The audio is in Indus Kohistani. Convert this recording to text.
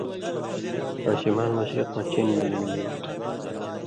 آں شمال مشرق مہ چین ملی مِلېل تُھو،